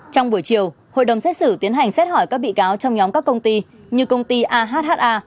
trong buổi chiều hội đồng xét xử tiến hành xét hỏi các bị cáo trong nhóm các công ty như công ty aha